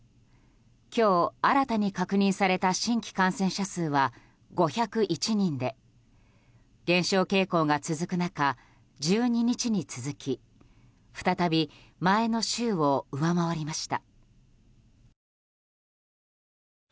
今日新たに確認された新規感染者数は５０１人で減少傾向が続く中、１２日に続き再び前の週を上回りました。